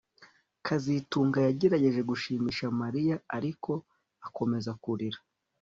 kazitunga yagerageje gushimisha Mariya ariko akomeza kurira